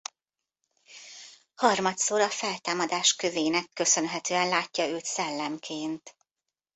Harmadszor a Feltámadás kövének köszönhetően látja őt szellemként.